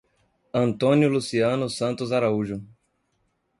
Antônio Luciano Santos Araújo